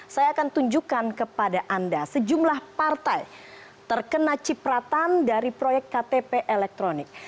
saya akan tunjukkan kepada anda sejumlah partai terkena cipratan dari proyek ktp elektronik